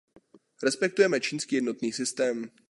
Respektujeme čínský jednotný systém.